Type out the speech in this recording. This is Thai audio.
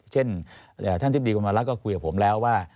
เช่นท่านทิศดีกว่ามาแล้วก็คุยกับผมแล้วว่า